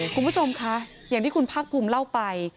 คุณผู้ชมคะอย่างที่คุณภาคภูมิเล่าไป